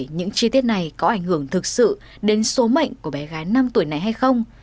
những chi tiết này có ảnh hưởng thực sự đến số mệnh của bé gái năm tuổi này hay không